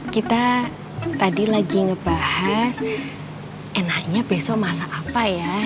kita tadi lagi ngebahas enaknya besok masak apa ya